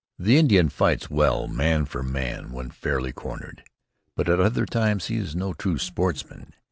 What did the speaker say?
The Indian fights well, man for man, when fairly cornered, but at other times he is no true sportsman.